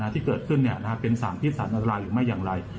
ที่เกิดขึ้นเป็นสารพิษสารอันตรายหรือไม่อย่างไร